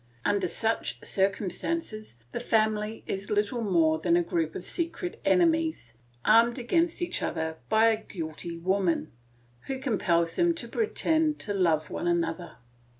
Under such circumstances the family is little more than a group of secret enemies, armed against each other by a guilty woman, who compels them to pretend to love one another.